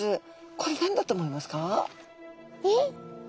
これ何だと思いますか？